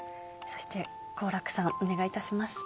そして、好楽さん、お願いいたします。